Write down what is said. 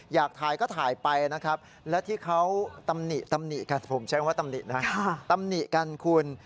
อยากถ่ายก็ถ่ายไปนะครับแล้วที่เขาตำหนิกันคุณ